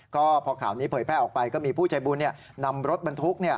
ก็พอข่าวนี้เผยแพร่ออกไปก็มีผู้ใจบุญนำรถบรรทุก